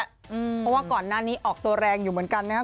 เพราะว่าก่อนหน้านี้ออกตัวแรงอยู่เหมือนกันนะครับ